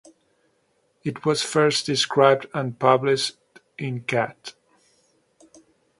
It was first described and published in Cat.